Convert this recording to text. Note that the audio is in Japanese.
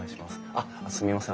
あっすみません